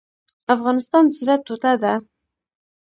افغانستان د زړه ټوټه ده؟